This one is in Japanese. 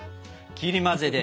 切り混ぜで。